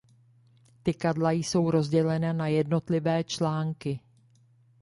Tykadla jsou rozdělena na jednotlivé články.